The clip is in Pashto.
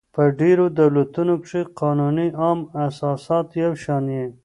په ډېرو دولتو کښي قانوني عام اساسات یو شان يي.